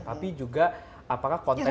tapi juga apakah konten